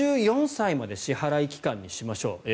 ６４歳まで支払期間にしましょう。